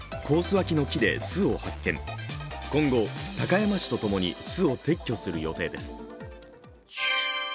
脇の木で巣を発見、今後、高山市とともに巣を撤去する予定です。